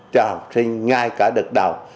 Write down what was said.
cho học sinh ngay cả đợt đầu